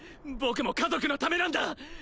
僕も家族のためなんだ